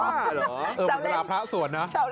เจ้าเล่นเออเหมือนกับหลาพระสวนนะ